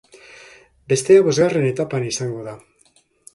Bestea bosgarren etapan izango da.